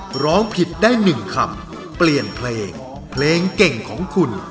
ร้องผิดได้๑คำเปลี่ยนเพลงเพลงเก่งของคุณ